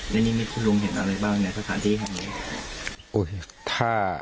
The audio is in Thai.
ในนี้มีคุณลุงเห็นอะไรบ้างในสถานที่แห่งนี้